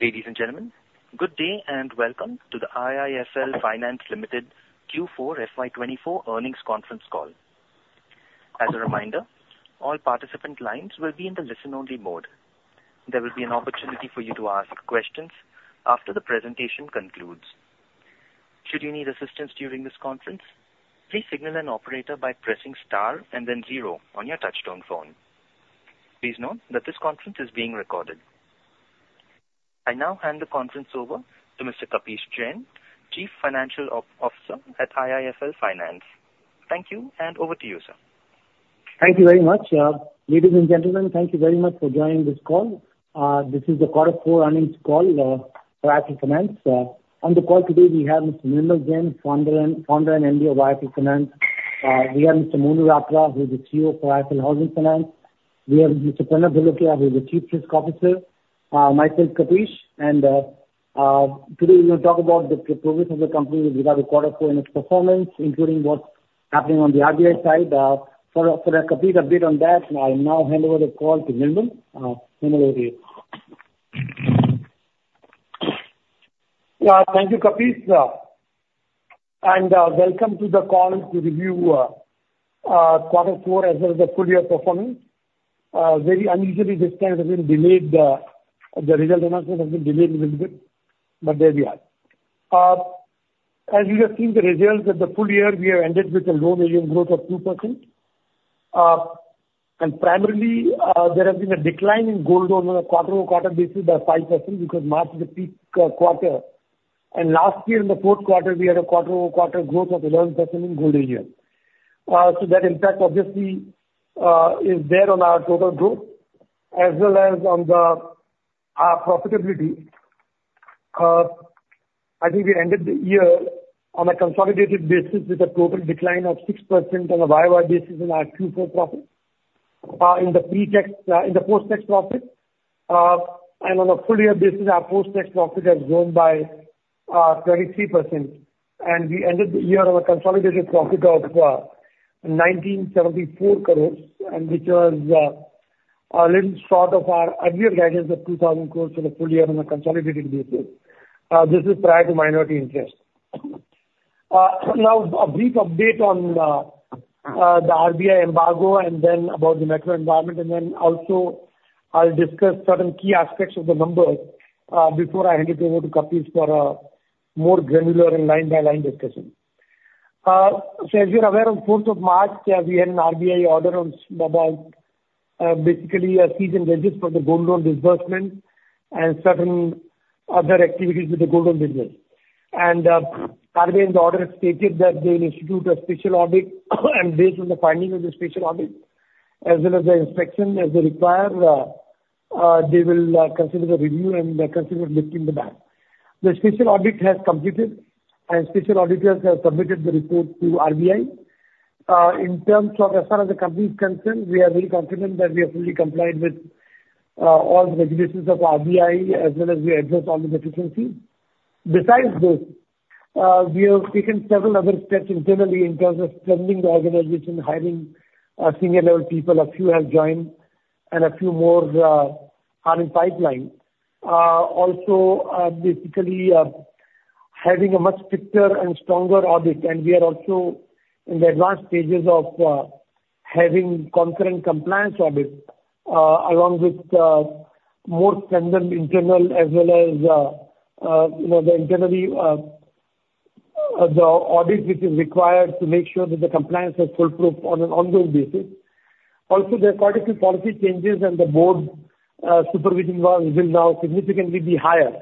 Ladies and gentlemen, good day and welcome to the IIFL Finance Limited Q4 FY 2024 earnings conference call. As a reminder, all participant lines will be in the listen-only mode. There will be an opportunity for you to ask questions after the presentation concludes. Should you need assistance during this conference, please signal an operator by pressing star and then zero on your touch-tone phone. Please note that this conference is being recorded. I now hand the conference over to Mr. Kapish Jain, Chief Financial Officer at IIFL Finance. Thank you, and over to you, sir. Thank you very much. Ladies and gentlemen, thank you very much for joining this call. This is the quarter four earnings call for IIFL Finance. On the call today, we have Mr. Nirmal Jain, Founder and MD of IIFL Finance. We have Mr. Monu Ratra, who is the CEO for IIFL Home Finance. We have Mr. Pranav Dholakia, who is the Chief Risk Officer. Myself, Kapish, and today we're going to talk about the progress of the company with regard to quarter four and its performance, including what's happening on the RBI side. For a complete update on that, I now hand over the call to Nirmal. Nirmal, over to you. Thank you, Kapish. Welcome to the call to review quarter four as well as the full year performance. Very unusually, this time has been delayed. The result announcement has been delayed a little bit, but there we are. As you have seen, the results of the full year, we have ended with a low AUM growth of 2%. Primarily, there has been a decline in gold over a quarter-over-quarter basis by 5% because March is a peak quarter. Last year, in the fourth quarter, we had a quarter-over-quarter growth of 11% in gold AUM. That impact, obviously, is there on our total growth as well as on the profitability. I think we ended the year on a consolidated basis with a total decline of 6% on the YoY basis in our Q4 profit in the post-tax profit. On a full year basis, our post-tax profit has grown by 23%. We ended the year on a consolidated profit of 1,974 crore, which was a little short of our earlier guidance of 2,000 crore for the full year on a consolidated basis. This is prior to minority interest. Now, a brief update on the RBI embargo and then about the macro environment. And then also, I'll discuss certain key aspects of the numbers before I hand it over to Kapish for a more granular and line-by-line discussion. So as you're aware, on the 4th of March, we had an RBI order on basically a cease and desist for the gold loan disbursement and certain other activities with the gold loan business. And the RBI, in the order, stated that they will institute a special audit. And based on the findings of the special audit, as well as the inspection as they require, they will consider the review and consider lifting the ban. The special audit has completed, and special auditors have submitted the report to RBI. In terms of as far as the company is concerned, we are very confident that we have fully complied with all the regulations of RBI, as well as we address all the deficiencies. Besides this, we have taken several other steps internally in terms of strengthening the organization, hiring senior-level people. A few have joined, and a few more are in pipeline. Also, basically having a much stricter and stronger audit. We are also in the advanced stages of having concurrent compliance audits along with more standard internal as well as the internal audit which is required to make sure that the compliance has fallen through on an ongoing basis. Also, there are quite a few policy changes, and the board supervision will now significantly be higher.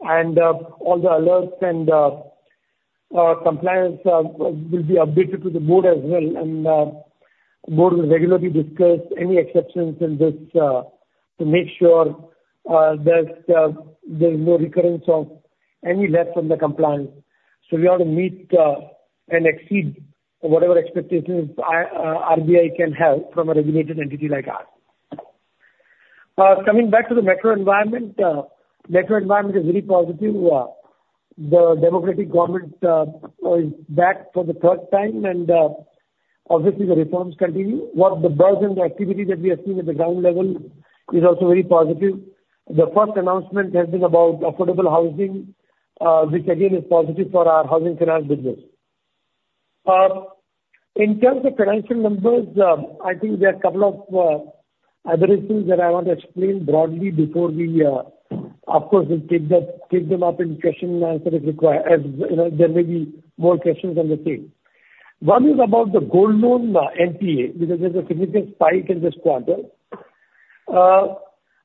All the alerts and compliance will be updated to the board as well. The board will regularly discuss any exceptions in this to make sure that there is no recurrence of any less than the compliance. So we ought to meet and exceed whatever expectations RBI can have from a regulated entity like us. Coming back to the macro environment, macro environment is very positive. The democratic government is back for the third time, and obviously, the reforms continue. With the burden of activity that we have seen at the ground level is also very positive. The first announcement has been about affordable housing, which again is positive for our housing finance business. In terms of financial numbers, I think there are a couple of other issues that I want to explain broadly before we, of course, take them up in question and answer if required. There may be more questions on the same. One is about the gold loan NPA because there's a significant spike in this quarter.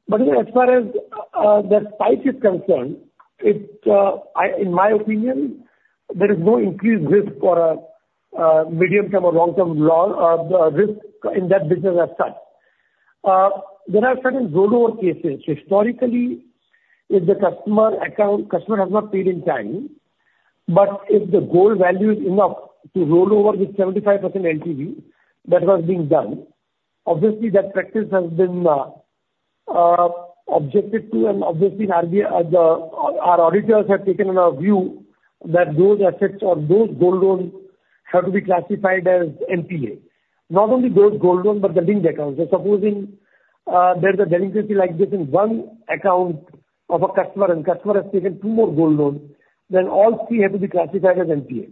But as far as the spike is concerned, in my opinion, there is no increased risk for a medium-term or long-term risk in that business as such. There are certain rollover cases. Historically, if the customer account customer has not paid in time, but if the gold value is enough to rollover with 75% LTV, that was being done. Obviously, that practice has been objected to, and obviously, our auditors have taken our view that those assets or those gold loans have to be classified as NPA. Not only those gold loans, but the linked accounts. So supposing there's a delinquency like this in one account of a customer and customer has taken two more gold loans, then all three have to be classified as NPA.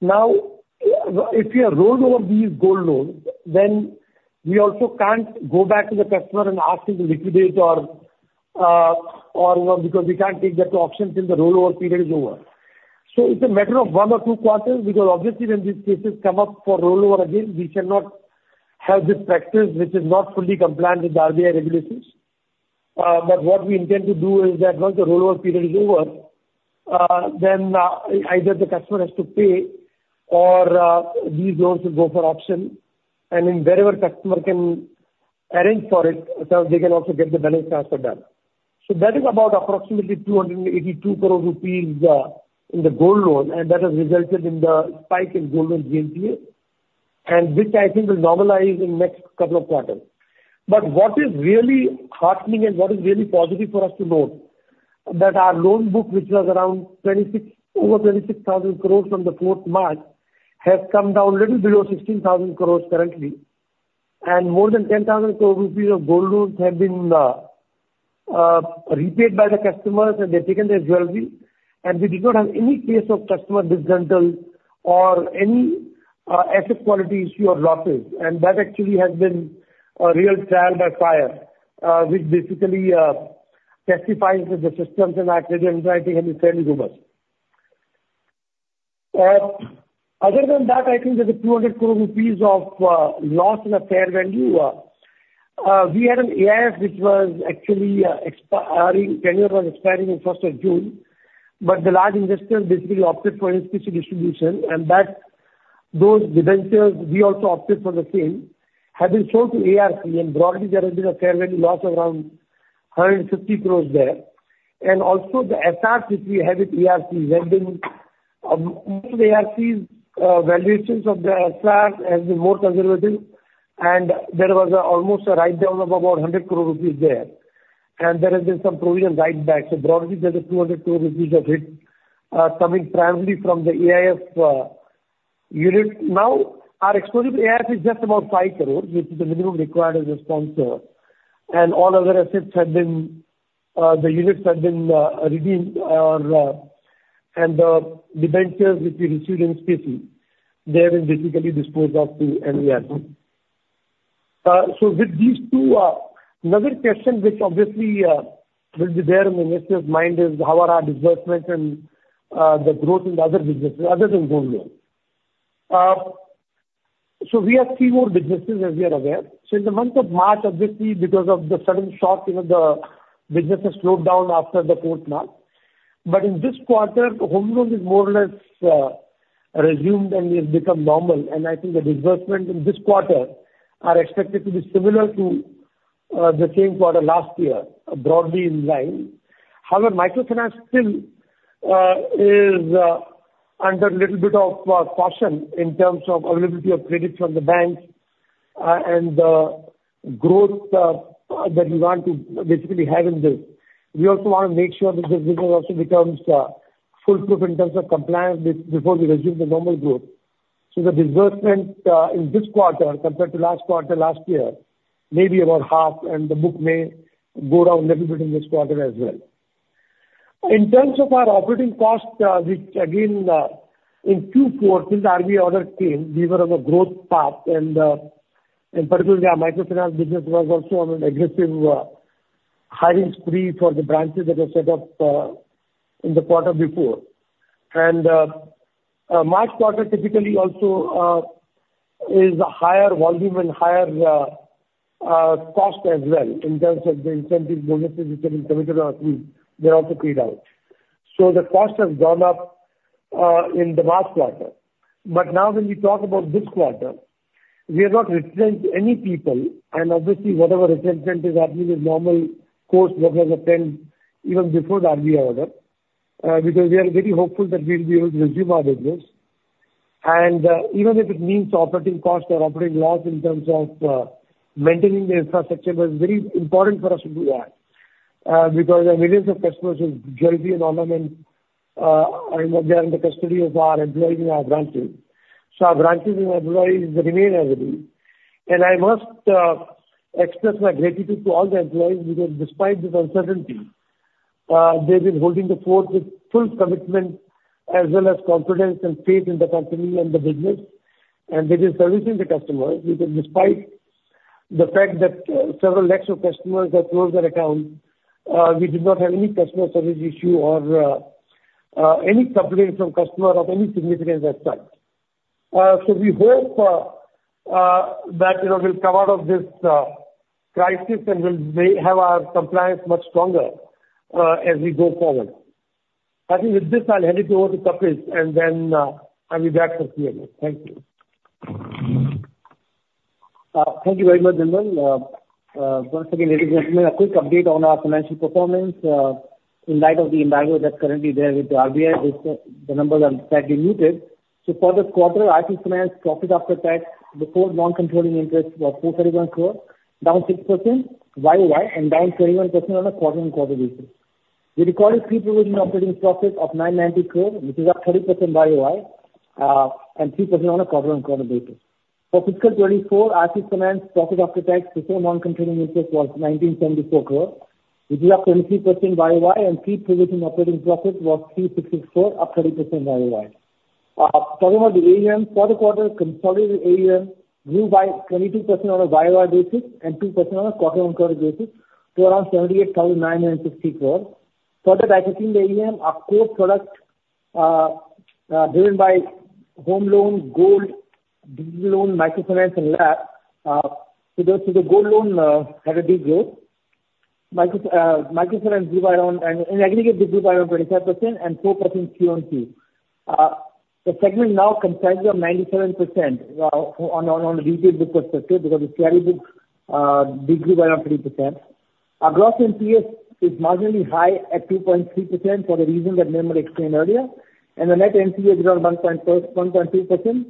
Now, if we have rollover these gold loans, then we also can't go back to the customer and ask him to liquidate or because we can't take that to auction till the rollover period is over. So it's a matter of one or two quarters because obviously, when these cases come up for rollover again, we cannot have this practice which is not fully compliant with the RBI regulations. But what we intend to do is that once the rollover period is over, then either the customer has to pay or these loans will go for auction. And then wherever customer can arrange for it, they can also get the balance transfer done. So that is about approximately 282 crore rupees in the gold loan, and that has resulted in the spike in gold loan GNPA, which I think will normalize in the next couple of quarters. But what is really heartening and what is really positive for us to note is that our loan book, which was around over 26,000 crore from the 4th March, has come down a little below 16,000 crore currently. And more than 10,000 crore rupees of gold loans have been repaid by the customers, and they've taken their jewelry. And we did not have any case of customer disgruntlement or any asset quality issue or losses. And that actually has been a real trial by fire, which basically testifies that the systems and our credit and financing have been fairly robust. Other than that, I think there's 200 crore rupees of loss in the fair value. We had an AIF which was actually expiring tenure was expiring in 1st of June, but the large investors basically opted for in-specie distribution. And those debentures, we also opted for the same, have been sold to ARC. And broadly, there has been a fair value loss around 150 crore there. And also, the SRs which we have with ARC have been most of the ARC's valuations of the SRs have been more conservative. And there was almost a write-down of about 100 crore rupees there. And there has been some provision write-back. So broadly, there's 200 crore rupees of it coming primarily from the AIF unit. Now, our exposure to AIF is just about 5 crore, which is the minimum required as a sponsor. And all other assets have been the units have been redeemed, and the debentures which we received in specie, they have been basically disposed of to an ARC. So with these two, another question which obviously will be there in the investors' mind is how are our disbursements and the growth in other businesses other than gold loans. So we have core businesses, as you are aware. So in the month of March, obviously, because of the sudden shock, the business has slowed down after the 4th March. But in this quarter, home loans have more or less resumed and have become normal. I think the disbursements in this quarter are expected to be similar to the same quarter last year, broadly in line. However, microfinance still is under a little bit of caution in terms of availability of credit from the banks and the growth that we want to basically have in this. We also want to make sure that this business also becomes foolproof in terms of compliance before we resume the normal growth. So the disbursement in this quarter compared to last quarter last year may be about 50%, and the book may go down a little bit in this quarter as well. In terms of our operating costs, which again, in Q4, since the RBI order came, we were on a growth path. And particularly, our microfinance business was also on an aggressive hiring spree for the branches that were set up in the quarter before. March quarter typically also is a higher volume and higher cost as well in terms of the incentive bonuses which have been committed on us, which were also paid out. The cost has gone up in the March quarter. Now, when we talk about this quarter, we have not retained any people. Obviously, whatever retention is happening is normal course that has continued even before the RBI order because we are very hopeful that we will be able to resume our business. Even if it means operating costs or operating loss in terms of maintaining the infrastructure, it was very important for us to do that because there are millions of customers with jewelry and ornaments, and they are in the custody of our employees and our branches. Our branches and employees remain as it is. I must express my gratitude to all the employees because despite this uncertainty, they've been holding the fort with full commitment as well as confidence and faith in the company and the business. They've been servicing the customers because despite the fact that several lakhs of customers have closed their accounts, we did not have any customer service issue or any complaints from customers of any significance as such. We hope that we'll come out of this crisis and we'll have our compliance much stronger as we go forward. I think with this, I'll hand it over to Kapish, and then I'll be back for Q&A. Thank you. Thank you very much, Nirmal. Once again, ladies and gentlemen, a quick update on our financial performance in light of the embargo that's currently there with the RBI. The numbers are slightly muted. So for this quarter, IIFL Finance profit after tax before non-controlling interest was 431 crore, down 6% YoY, and down 21% on a quarter-on-quarter basis. We recorded pre-provision operating profit of 990 crore, which is up 30% YoY, and 3% on a quarter-on-quarter basis. For fiscal 2024, IIFL Finance profit after tax before non-controlling interest was 1,974 crore, which is up 23% YoY, and pre-provision operating profit was 366 crore, up 30% YoY. Talking about the AUM, for the quarter, consolidated AUM grew by 22% on a YoY basis and 2% on a quarter-on-quarter basis to around INR 78,960 crore. Further, dissecting the AUM, our core product driven by home loan, gold, digital loan, microfinance, and LAP, so the gold loan had a degrowth. Microfinance grew by around an aggregate degrowth by around 25% and 4% Q on Q. The segment now comprises of 97% on a retail book perspective because the CRE book de-grow by around 30%. Our gross GNPA is marginally high at 2.3% for the reason that Nirmal explained earlier. The net NNPA is around 1.2%,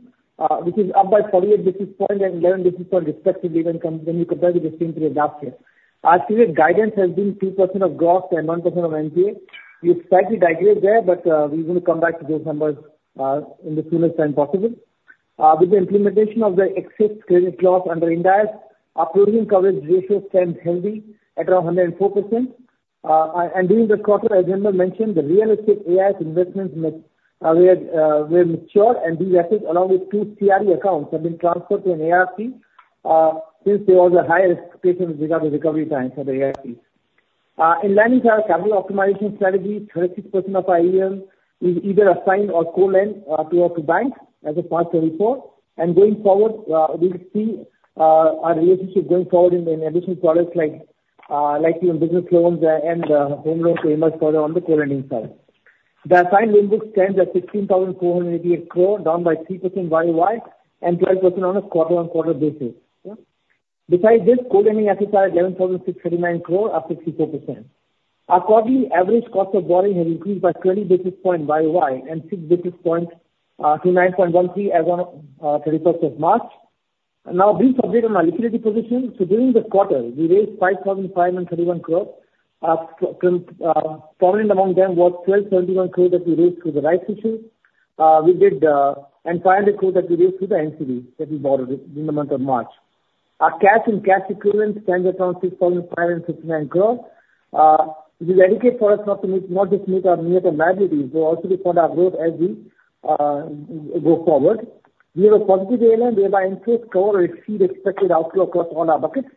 which is up by 48 basis points and 11 basis points respectively when you compare with the same period last year. Our street guidance has been 2% of gross and 1% of NPA. We've slightly digressed there, but we're going to come back to those numbers in the soonest time possible. With the implementation of the expected credit loss under Ind AS, our provision coverage ratio stands healthy at around 104%. And during this quarter, as Nirmal mentioned, the real estate AIF investments were matured, and these assets, along with two CRE accounts, have been transferred to an ARC since there was a higher expectation with regard to recovery time for the ARC. In lending our capital optimization strategy, 36% of our AUM is either assigned or co-lended to our two banks as of March 2024. Going forward, we'll see our relationship going forward in additional products like business loans and home loans to invest further on the co-lending side. The assigned loan books stand at 16,488 crore, down by 3% by YoY, and 12% on a quarter-on-quarter basis. Besides this, co-lending assets are at 11,639 crore up 64%. Our quarterly average cost of borrowing has increased by 20 basis points by YoY and 6 basis points to 9.13% as of 31st of March 2024. Now, a brief update on our liquidity position. So during this quarter, we raised 5,531 crore. A prominent among them was 1,271 crore that we raised through the rights issue. We did. And 500 crore that we raised through the NCD that we borrowed in the month of March. Our cash and cash equivalent stands at around 6,559 crore. We dedicate for us not just meet our net liabilities, but also to fund our growth as we go forward. We have a positive ALM whereby interest cover will exceed expected outflow across all our buckets.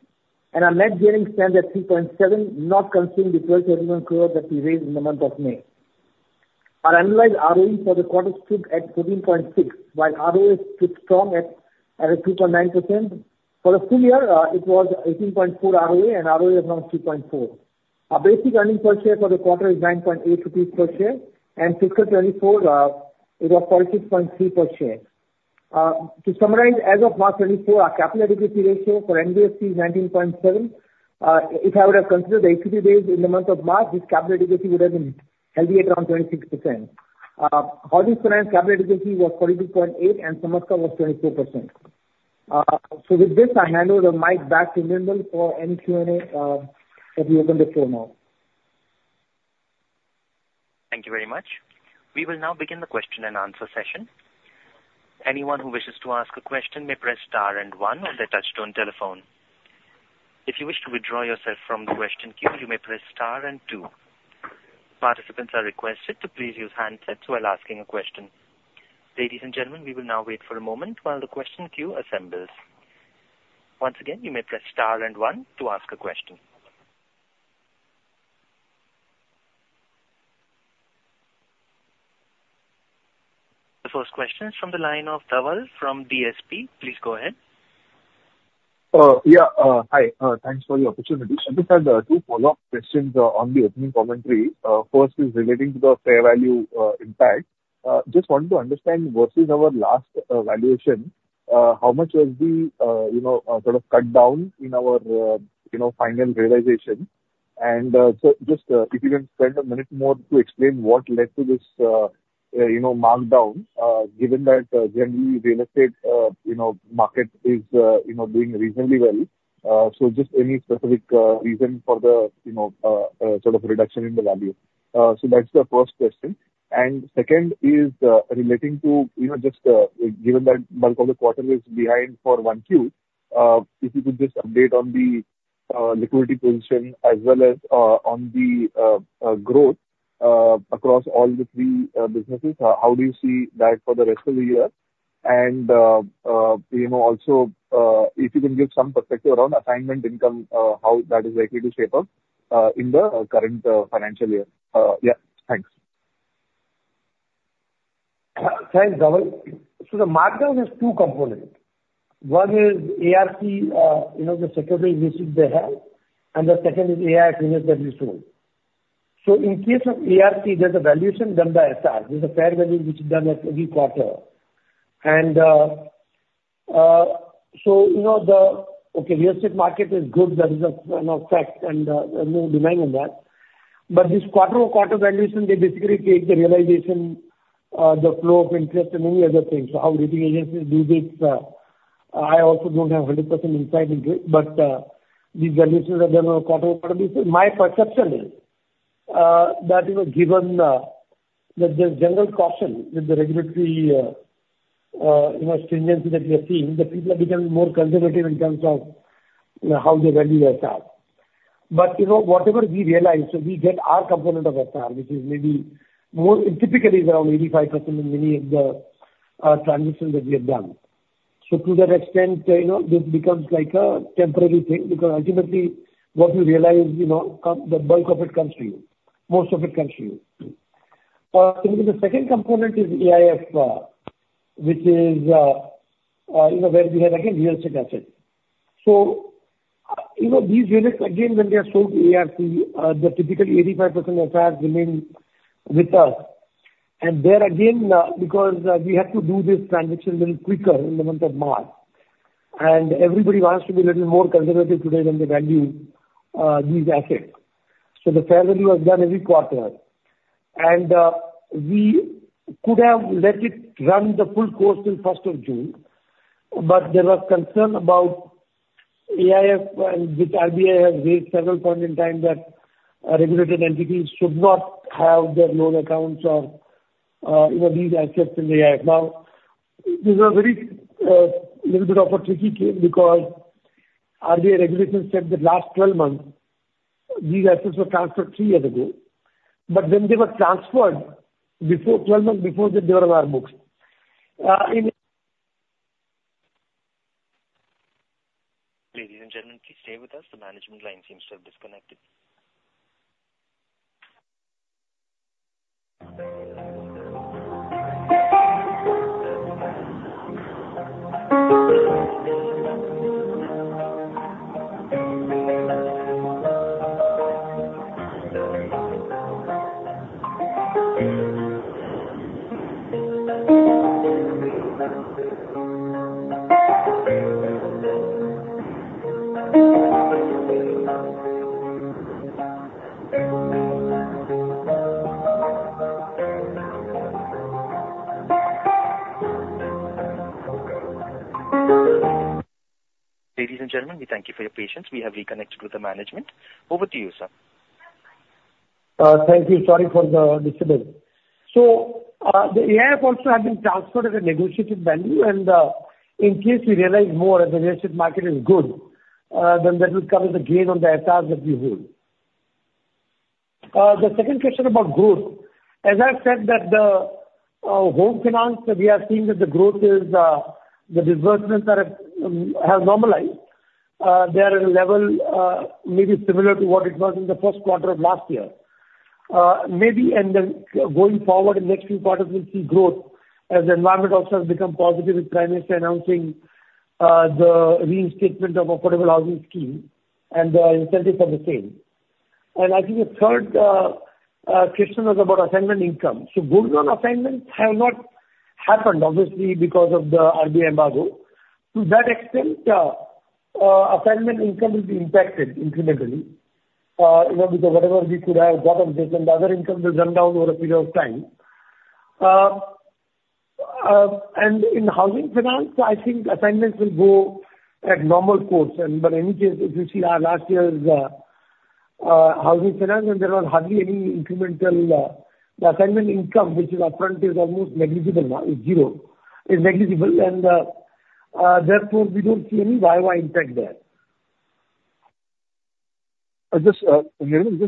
And our NIM stands at 3.7, not considering the 1,271 crore that we raised in the month of May. Our annualized ROE for the quarter stood at 14.6%, while ROA stood strong at 2.9%. For the full year, it was 18.4% ROE, and ROA is now 2.4%. Our basic earnings per share for the quarter is 9.8 rupees per share. Fiscal 2024, it was 46.3 per share. To summarize, as of March 2024, our capital adequacy ratio for NBFC is 19.7%. If I would have considered the equity base in the month of March, this capital adequacy would have been healthy at around 26%. Home Finance capital adequacy was 42.8%, and Samasta was 24%. So with this, I hand over the mic back to Nirmal for any Q&A that we open the floor now. Thank you very much. We will now begin the question and answer session. Anyone who wishes to ask a question may press star and one on the touch-tone telephone. If you wish to withdraw yourself from the question queue, you may press star and two. Participants are requested to please use handsets while asking a question. Ladies and gentlemen, we will now wait for a moment while the question queue assembles. Once again, you may press star and one to ask a question. The first question is from the line of Dhaval from DSP. Please go ahead. Yeah, hi. Thanks for the opportunity. I just had two follow-up questions on the opening commentary. First is relating to the fair value impact. Just wanted to understand versus our last valuation, how much was the sort of cut down in our final realization? And just if you can spend a minute more to explain what led to this markdown, given that generally real estate market is doing reasonably well. So just any specific reason for the sort of reduction in the value. So that's the first question. And second is relating to just given that bulk of the quarter is behind for 1Q, if you could just update on the liquidity position as well as on the growth across all the three businesses, how do you see that for the rest of the year? Also, if you can give some perspective around assignment income, how that is likely to shape up in the current financial year. Yeah, thanks. Thanks, Dhaval. So the markdown has two components. One is ARC, the securities issues they have, and the second is AIF units that we sold. So in case of ARC, there's a valuation done by SR. There's a fair value which is done every quarter. And so the real estate market is good. That is a fact and a demand in that. But this quarter-on-quarter valuation, they basically take the realization, the flow of interest, and many other things. So how rating agencies do this, I also don't have 100% insight into it. But these valuations are done on a quarter-on-quarter basis. My perception is that given that there's general caution with the regulatory stringency that we are seeing, the people are becoming more conservative in terms of how they value their SR. But whatever we realize, so we get our component of SR, which is maybe more typically is around 85% in many of the transactions that we have done. So to that extent, this becomes like a temporary thing because ultimately what we realize, the bulk of it comes to you. Most of it comes to you. The second component is AIF, which is where we have again real estate assets. So these units, again, when they are sold to ARC, the typical 85% SRs remain with us. And there again, because we had to do this transition a little quicker in the month of March, and everybody wants to be a little more conservative today than they value these assets. So the fair value has done every quarter. And we could have let it run the full course till 1st of June, but there was concern about AIF, which RBI has raised several points in time that regulated entities should not have their loan accounts or these assets in AIF. Now, this was a very little bit of a tricky case because RBI regulation said that last 12 months, these assets were transferred three years ago. But when they were transferred, 12 months before that, they were on our books. Ladies and gentlemen, please stay with us. The management line seems to have disconnected. Ladies and gentlemen, we thank you for your patience. We have reconnected with the management. Over to you, sir. Thank you. Sorry for the disturbance. So the AIF also has been transferred at a negotiated value. And in case we realize more as the real estate market is good, then that will come as a gain on the SRs that we hold. The second question about growth, as I've said, that the home finance, we are seeing that the growth is the disbursements have normalized. They are at a level maybe similar to what it was in the first quarter of last year. Maybe going forward, in the next few quarters, we'll see growth as the environment also has become positive with Prime Minister announcing the reinstatement of affordable housing scheme and the incentives for the same. And I think the third question was about assignment income. So good loan assignments have not happened, obviously, because of the RBI embargo. To that extent, assignment income will be impacted incrementally because whatever we could have got on this and other income will run down over a period of time. In housing finance, I think assignments will go at normal course. In any case, if you see our last year's housing finance, there was hardly any incremental assignment income, which in our front is almost negligible now. It's zero. It's negligible. Therefore, we don't see any YoY impact there. Just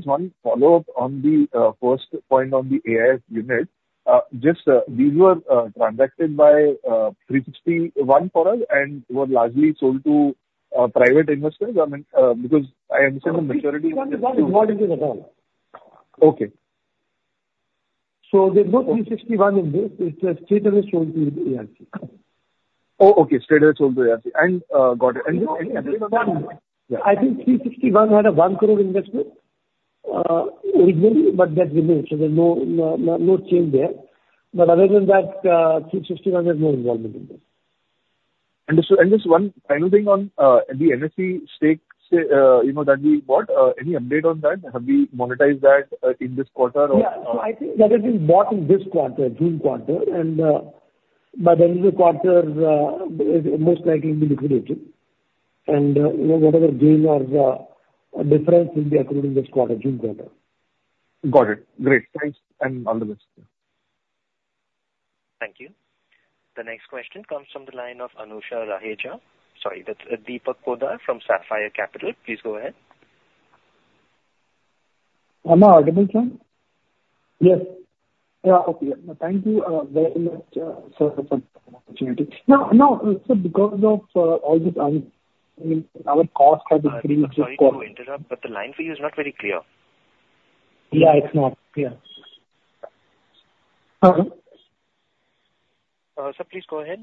one follow-up on the first point on the AIF unit. Just these were transacted by 360 ONE for us and were largely sold to private investors. I mean, because I understand the maturity is not involved in this at all. Okay. So there's no 360 ONE in this. It's a straight away sold to ARC. Oh, okay. Straight away sold to ARC. And got it. I think 360 ONE had an 1 crore investment originally, but that remains. So there's no change there. But other than that, 360 ONE has no involvement in this. Just one final thing on the NSE stake that we bought. Any update on that? Have we monetized that in this quarter? Yeah. So I think that has been bought in this quarter, June quarter. And by the end of the quarter, it most likely will be liquidated. And whatever gain or difference will be accrued in this quarter, June quarter. Got it. Great. Thanks. And all the best. Thank you. The next question comes from the line of Anusha Raheja. Sorry, that's Deepak Poddar from Sapphire Capital. Please go ahead. I'm audible? Yes. Yeah. Okay. Thank you very much, sir, for the opportunity. No, no. So because of all this, I mean, our cost has increased this quarter. Sorry to interrupt, but the line for you is not very clear. Yeah, it's not clear. Sir, please go ahead.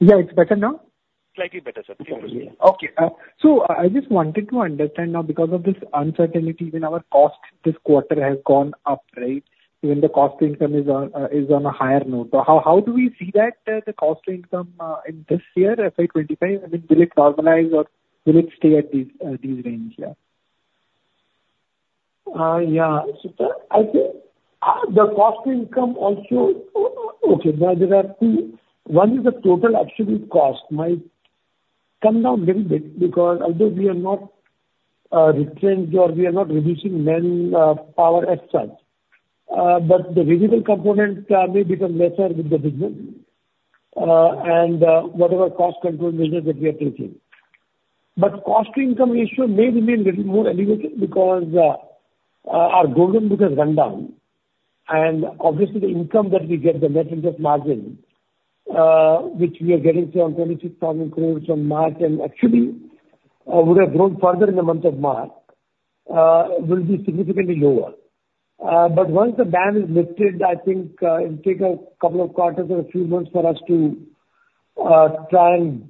Yeah, it's better now? Slightly better, sir. Please proceed. Okay. So I just wanted to understand now because of this uncertainty, even our cost this quarter has gone up, right? Even the cost to income is on a higher note. How do we see that, the cost to income in this year, FY 2025? I mean, will it normalize or will it stay at these ranges here? Yeah. I think the cost to income also okay, there are two. One is the total absolute cost might come down a little bit because although we are not restrained or we are not reducing manpower as such, but the variable component may become lesser with the business and whatever cost control measures that we are taking. But cost to income ratio may remain a little more elevated because our gold loan book has run down. And obviously, the income that we get, the net interest margin, which we are getting around 26,000 crore from March and actually would have grown further in the month of March, will be significantly lower. But once the ban is lifted, I think it will take a couple of quarters or a few months for us to try and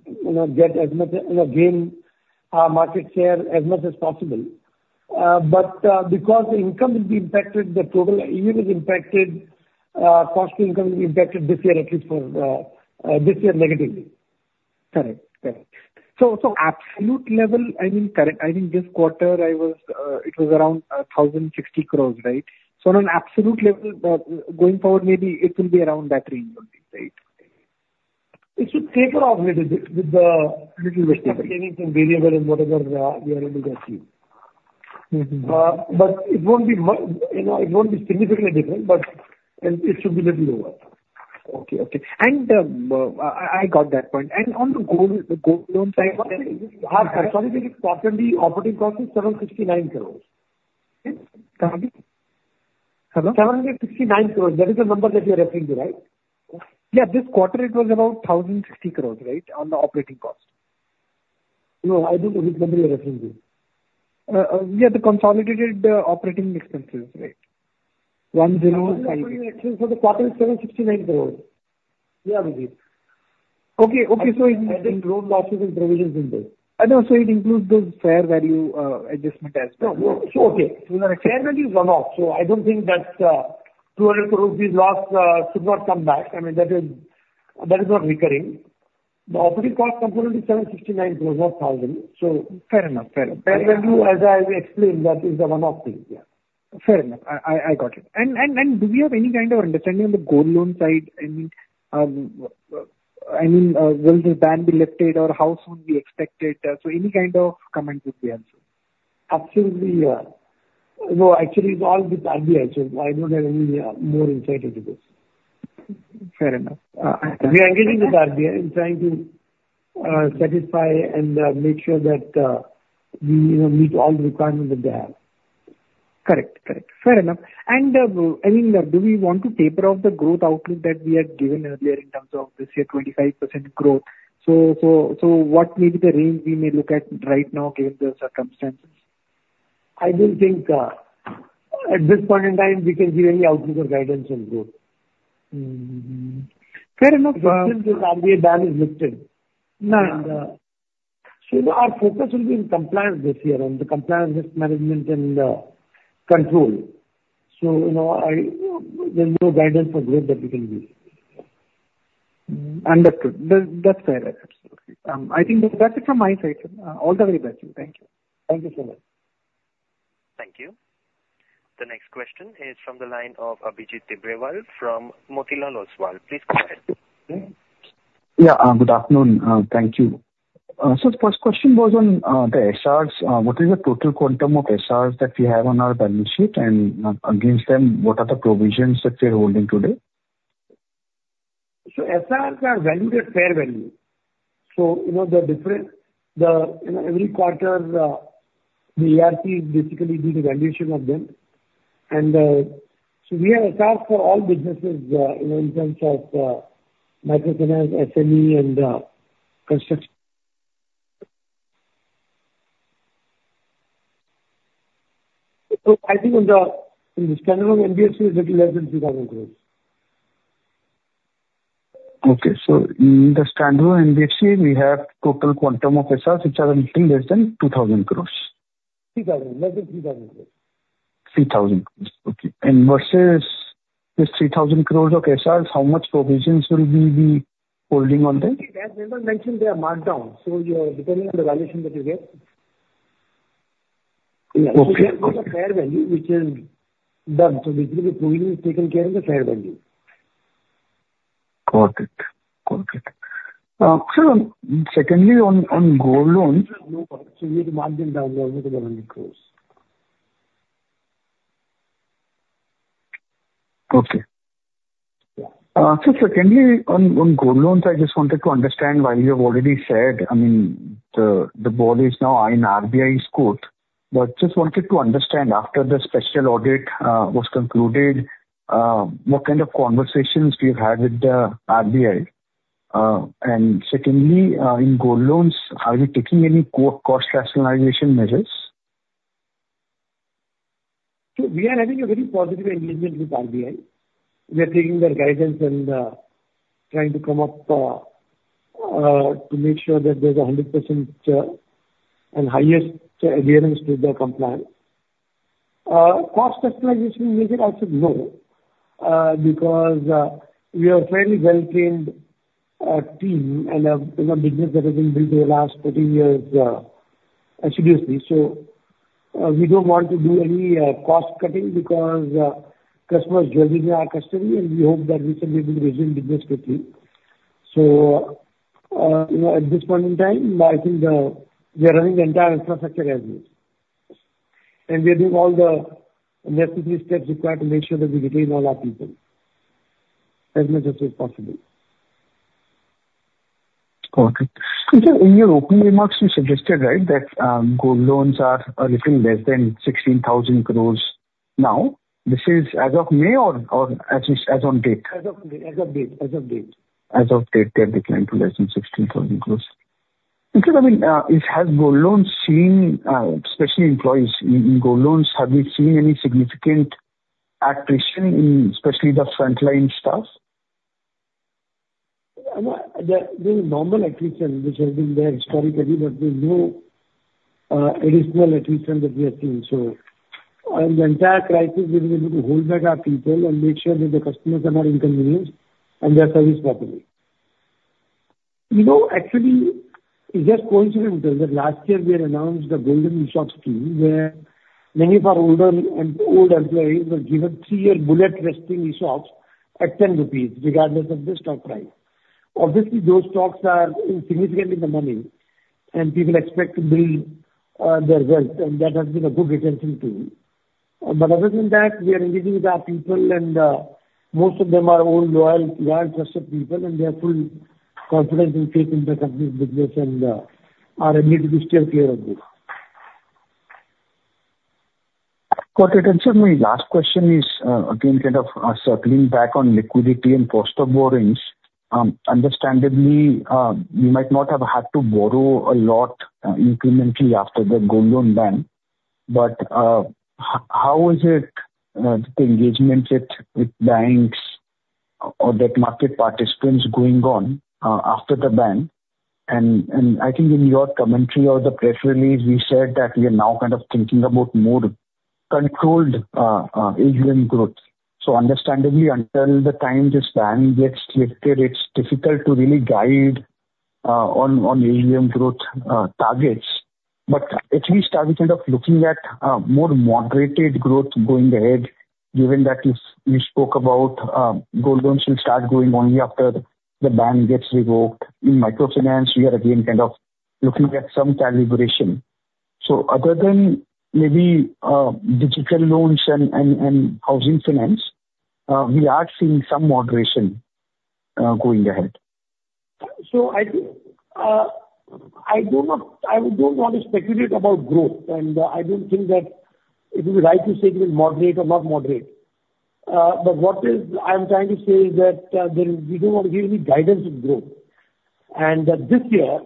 get as much and again, our market share as much as possible. But because the income will be impacted, the total AUM is impacted, cost to income will be impacted this year at least for this year negatively. Correct. Correct. So absolute level, I mean, correct. I think this quarter, it was around 1,060 crore, right? So on an absolute level, going forward, maybe it will be around that range, right? It should taper off a little bit with the little bit of anything variable and whatever we are able to achieve. But it won't be significantly different, but it should be a little lower. Okay. Okay. And I got that point. And on the gold loan side, I'm sorry, the operating cost is 769 crore. 769 crore. That is the number that you're referring to, right? Yeah. This quarter, it was about 1,060 crore, right, on the operating cost. No, I don't know which number you're referring to. Yeah, the consolidated operating expenses, right? So the quarter is INR 769 crore. Yeah, we did. Okay. Okay. So it includes growth losses and provisions in this. No, so it includes those fair value adjustment as well. No, no. So okay. Fair value is one-off. So I don't think that 200 crore rupees we've lost should not come back. I mean, that is not recurring. The operating cost component is 769 crore, not 1,000 crore. So Fair enough. Fair enough. Fair value, as I explained, that is the one-off thing. Yeah. Fair enough. I got it. And do we have any kind of understanding on the gold loan side? I mean, will this ban be lifted or how soon will be expected? So any kind of comment would be answered. Absolutely. No, actually, it's all with RBI, so I don't have any more insight into this. We are engaging with RBI and trying to satisfy and make sure that we meet all the requirements that they have. Correct. Correct. Fair enough. And I mean, do we want to taper off the growth outlook that we had given earlier in terms of this year, 25% growth? So what may be the range we may look at right now, given the circumstances? I don't think at this point in time, we can give any outlook or guidance on growth. Fair enough. Since the RBI ban is lifted. So our focus will be on compliance this year and the compliance risk management and control. So there's no guidance for growth that we can give. Understood. That's fair. Absolutely. I think that's it from my side. All the very best. Thank you. Thank you so much. Thank you. The next question is from the line of Abhijit Tibrewal from Motilal Oswal. Please go ahead. Yeah. Good afternoon. Thank you. So the first question was on the SRs. What is the total quantum of SRs that we have on our balance sheet? And against them, what are the provisions that we are holding today? SRs are valued at fair value. The difference, every quarter, the SRs are basically being evaluated. We have SRs for all businesses in terms of microfinance, SME, and construction. I think in the standalone NBFC, it's a little less than 3,000 crore. Okay. In the standalone NBFC, we have total quantum of SRs, which are a little less than 2,000 crore. Less than 3,000 crore. 3,000 crore. Okay. And versus this 3,000 crore of SRs, how much provisions will we be holding on them? As mentioned, they are marked down. So you are depending on the valuation that you get. Okay. It's a fair value, which is done. So basically, the provision is taken care of the fair value. Got it. Got it. So secondly, on gold loans. We have marked them down to almost INR 100 crore. Okay. So secondly, on gold loans, I just wanted to understand why you have already said, I mean, the board is now in RBI's court. But just wanted to understand, after the special audit was concluded, what kind of conversations do you have with RBI? And secondly, in gold loans, are you taking any cost rationalization measures? We are having a very positive engagement with RBI. We are taking their guidance and trying to come up to make sure that there's a 100% and highest adherence to their compliance. Cost rationalization measure, I said no because we are a fairly well-trained team and a business that has been built over the last 14 years assiduously. We don't want to do any cost cutting because customers join in our custody, and we hope that we can be able to resume business quickly. At this point in time, I think we are running the entire infrastructure as is. We are doing all the necessary steps required to make sure that we retain all our people as much as possible. Got it. So in your opening remarks, you suggested, right, that gold loans are a little less than 16,000 crore now. This is as of May or as of date? As of date. As of date. As of date, they are declined to less than 16,000 crore. I mean, has gold loans seen, especially employees in gold loans, have we seen any significant attrition, especially the frontline staff? There is normal attrition, which has been there historically, but there's no additional attrition that we have seen. So the entire crisis, we've been able to hold back our people and make sure that the customers are not inconvenienced and they are serviced properly. Actually, it's just coincidental that last year we had announced the Golden ESOP Scheme where many of our older and old employees were given three-year bullet vesting ESOPs at 10 rupees, regardless of the stock price. Obviously, those stocks are significantly demanding, and people expect to build their wealth, and that has been a good retention tool. But other than that, we are engaging with our people, and most of them are old, loyal, well-trusted people, and they have full confidence and faith in the company's business and are able to be still clear of this. Got it. And so my last question is, again, kind of circling back on liquidity and post-op borrowings. Understandably, you might not have had to borrow a lot incrementally after the gold loan ban. But how is it the engagement with banks or debt market participants going on after the ban? And I think in your commentary or the press release, we said that we are now kind of thinking about more controlled AUM growth. So understandably, until the time this ban gets lifted, it's difficult to really guide on AUM growth targets. But at least are we kind of looking at more moderated growth going ahead, given that you spoke about gold loans will start going only after the ban gets revoked? In microfinance, we are again kind of looking at some calibration. So other than maybe digital loans and housing finance, we are seeing some moderation going ahead. So I don't want to speculate about growth, and I don't think that it would be right to say it will moderate or not moderate. But what I'm trying to say is that we don't want to give any guidance on growth. And this year,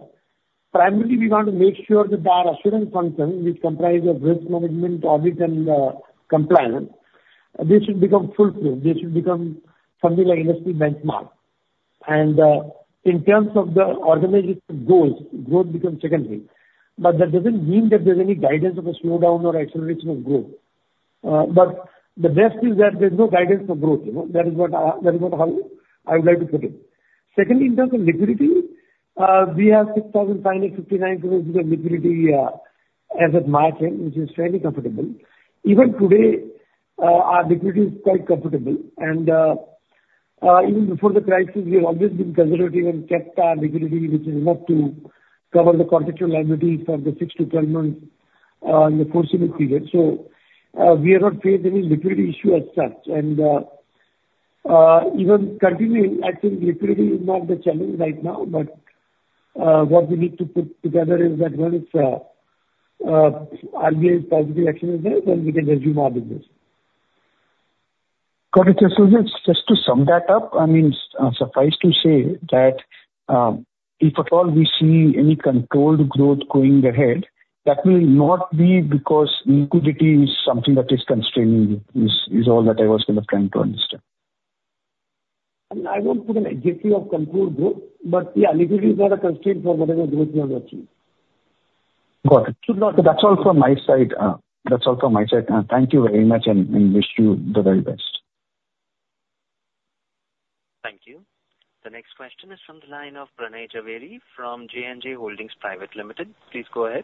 primarily, we want to make sure that our assurance function, which comprises risk management, audit, and compliance, this should become fulfilled. This should become something like an industry benchmark. And in terms of the organizational goals, growth becomes secondary. But that doesn't mean that there's any guidance of a slowdown or acceleration of growth. But the best is that there's no guidance for growth. That is what I would like to put in. Secondly, in terms of liquidity, we have 6,559 crore worth of liquidity as of March, which is fairly comfortable. Even today, our liquidity is quite comfortable. Even before the crisis, we have always been conservative and kept our liquidity, which is enough to cover the corporate liability for the 6-12 months in the foreseeable period. We are not faced with any liquidity issue as such. Even continuing active liquidity is not the challenge right now. But what we need to put together is that once RBI's positive action is there, then we can resume our business. Got it. So just to sum that up, I mean, suffice to say that if at all we see any controlled growth going ahead, that will not be because liquidity is something that is constraining, is all that I was kind of trying to understand. I won't put an adjective of controlled growth. But yeah, liquidity is not a constraint for whatever growth we are achieving. Got it. So that's all from my side. That's all from my side. Thank you very much, and wish you the very best. Thank you. The next question is from the line of Parin Jhaveri from J&J Holdings Private Limited. Please go ahead.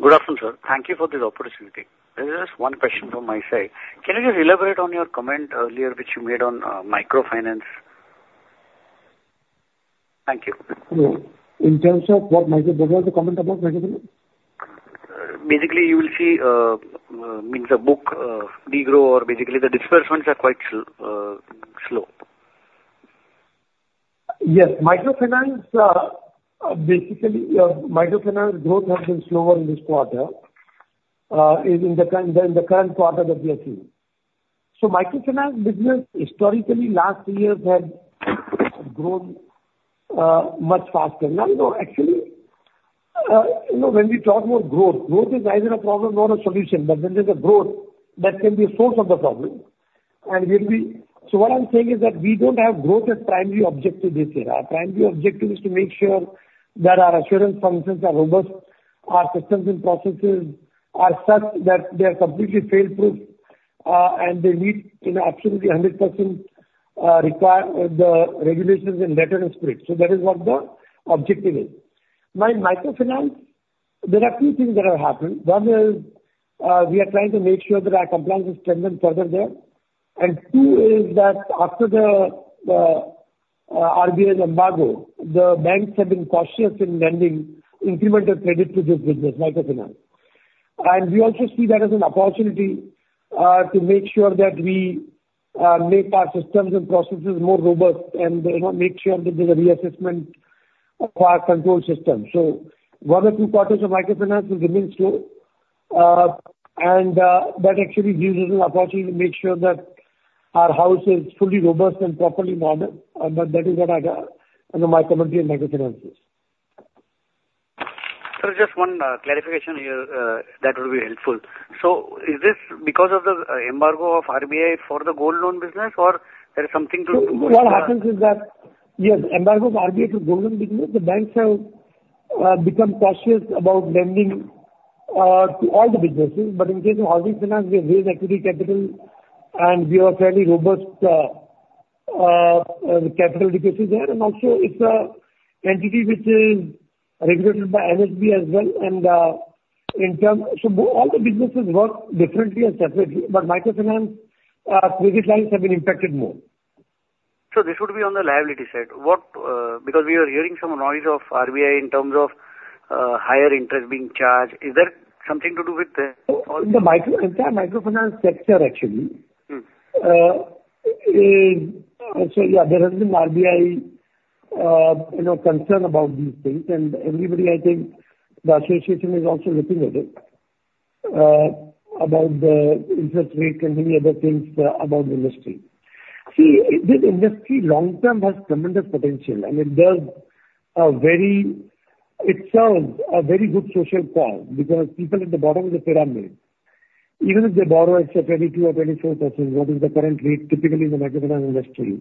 Good afternoon, sir. Thank you for this opportunity. There's just one question from my side. Can you just elaborate on your comment earlier which you made on microfinance? Thank you. In terms of what was the comment about microfinance? Basically, you will see in the book, degrow or basically the disbursements are quite slow. Yes. Microfinance, basically, microfinance growth has been slower in this quarter, in the current quarter that we are seeing. So microfinance business historically last year had grown much faster. Now, actually, when we talk about growth, growth is either a problem or a solution. But when there's a growth, that can be a source of the problem. And so what I'm saying is that we don't have growth as primary objective this year. Our primary objective is to make sure that our assurance functions are robust, our systems and processes are such that they are completely fail-proof, and they meet absolutely 100% the regulations in letter and script. So that is what the objective is. Now, in microfinance, there are two things that are happening. One is we are trying to make sure that our compliance is strengthened further there. Two is that after the RBI's embargo, the banks have been cautious in lending incremental credit to this business, microfinance. We also see that as an opportunity to make sure that we make our systems and processes more robust and make sure that there's a reassessment of our control system. So one or two quarters of microfinance will remain slow. That actually gives us an opportunity to make sure that our house is fully robust and properly modern. But that is what my commentary on microfinance is. Just one clarification here that will be helpful. Is this because of the embargo of RBI for the gold loan business, or there is something to? So what happens is that, yes, embargo of RBI to gold loan business, the banks have become cautious about lending to all the businesses. But in case of housing finance, we have raised equity capital, and we have fairly robust capital adequacy there. And also, it's an entity which is regulated by NHB as well. And so all the businesses work differently and separately. But microfinance, credit lines have been impacted more. This would be on the liability side. Because we were hearing some noise of RBI in terms of higher interest being charged. Is that something to do with the? So in the entire microfinance sector, actually, so yeah, there has been RBI concern about these things. And everybody, I think the association is also looking at it about the interest rate and many other things about the industry. See, this industry long-term has tremendous potential. And it does a very it serves a very good social cause because people at the bottom of the pyramid, even if they borrow at 22% or 24%, what is the current rate typically in the microfinance industry?